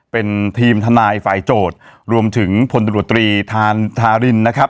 เป็นทีมทนายฝ่ายโจทย์รวมถึงผลตุรตีธานทาริน